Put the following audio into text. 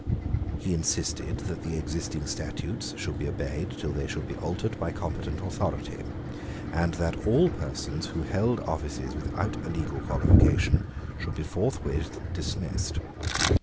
He insisted that the existing statutes should be obeyed till they should be altered by competent authority, and that all persons who held offices without a legal qualification should be forthwith dismissed.